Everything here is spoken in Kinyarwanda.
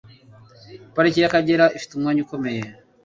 Pariki y'Akagera ifite umwanya ukomeye